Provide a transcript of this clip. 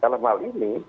dalam hal ini